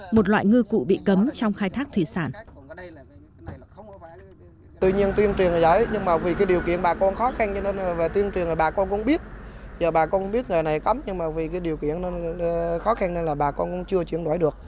một loại ngư cụ bị cấm trong khai thác thuyền